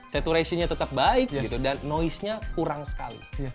saturation nya tetap baik dan noise nya kurang sekali